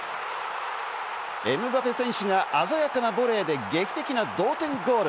エムバペ選手が鮮やかなボレーで劇的な同点ゴール。